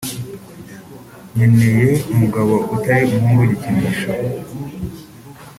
nkeneye umugabo utari umuhungu w’igikinisho